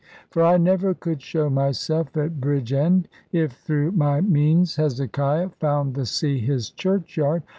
For I never could show myself at Bridgend, if through my means Hezekiah found the sea his churchyard.